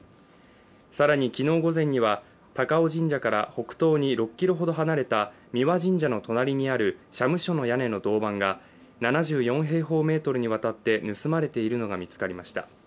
更に昨日午前にはたかお神社から北東に６ｋｍほど離れた三輪神社の隣にある社務所の屋根の銅板が７４平方メートルにわたって盗まれているのが見つかりました。